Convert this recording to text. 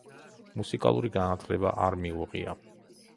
მუსიკალური განათლება არ მიუღია.